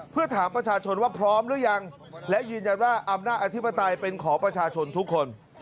เพื่อถามประชาชนว่าพร้อมหรือยังและยืนยันว่าอำนาจอธิปไตยเป็นของประชาชนทุกคน